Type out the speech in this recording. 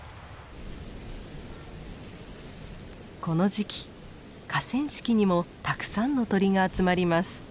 この時期河川敷にもたくさんの鳥が集まります。